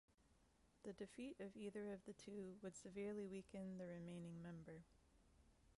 The defeat of either of the two would severely weaken the remaining member.